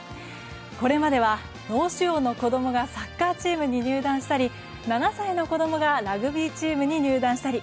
これまでは脳腫瘍の子供がサッカーチームに入団したり７歳の子供がラグビーチームに入団したり。